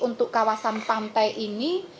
untuk kawasan pantai ini